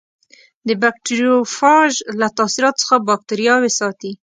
د بکټریوفاژ له تاثیراتو څخه باکتریاوې ساتي.